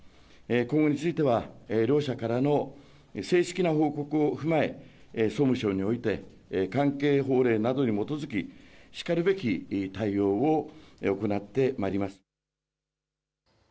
今後については同社からの正式な報告を踏まえ総務省において関係法令などに基づき、しかるべき対応を行ってまいります。